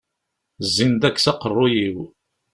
Zzin-d akk s aqaṛṛuy-iw.